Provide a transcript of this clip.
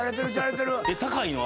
高いの？